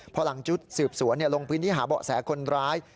พอหลังชุดสืบสวนลงพื้นที่หาเบาะแสคนร้าย